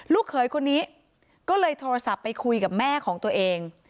เขยคนนี้ก็เลยโทรศัพท์ไปคุยกับแม่ของตัวเอง